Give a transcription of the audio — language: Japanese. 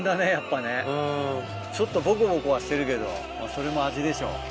ちょっとボコボコはしてるけどそれも味でしょ。